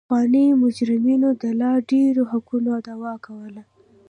پخوانیو مجرمینو د لا ډېرو حقونو دعوه کوله.